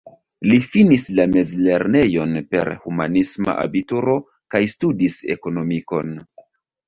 Li finis la mezlernejon per humanisma abituro kaj studis ekonomikon.